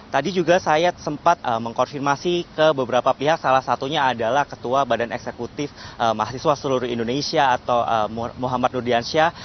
tadi juga saya sempat mengkonfirmasi ke beberapa pihak salah satunya adalah ketua badan eksekutif mahasiswa seluruh indonesia atau muhammad nurdiansyah